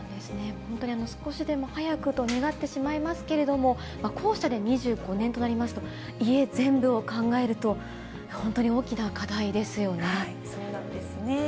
本当に少しでも早くと願ってしまいますけれども、校舎で２５年となりますと、家全部を考えると、本当に大きなそうなんですね。